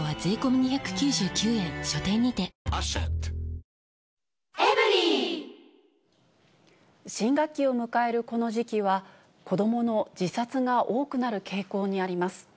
道枝さん、大橋さん、ありがとう新学期を迎えるこの時期は、子どもの自殺が多くなる傾向にあります。